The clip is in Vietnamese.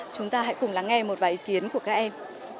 chúng ta hãy cùng lắng nghe một vài ý kiến của các em